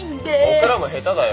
僕らも下手だよ。